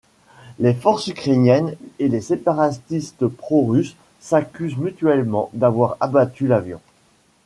Les forces ukrainiennes et les séparatistes pro-russes s'accusent mutuellement d'avoir abattu l'avion.